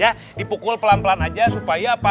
ya dipukul pelan pelan aja supaya apa